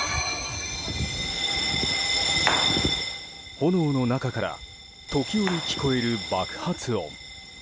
炎の中から時折聞こえる爆発音。